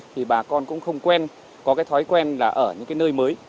thì bà con cũng không quen có cái thói quen là ở những cái nơi mới